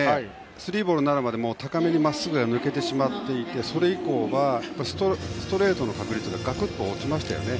スリーボールになるまで高めのまっすぐが抜けてしまっていてそれ以降はストレートの確率がガクッと落ちましたよね。